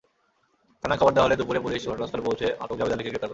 থানায় খবর দেওয়া হলে দুপুরে পুলিশ ঘটনাস্থলে পৌঁছে আটক জাবেদ আলীকে গ্রেপ্তার করে।